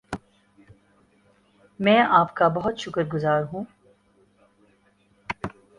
میں آپ کا بہت شکر گزار ہوں